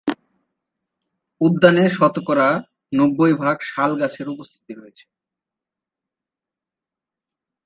উদ্যানে শতকরা নব্বই ভাগ শাল গাছের উপস্থিতি রয়েছে।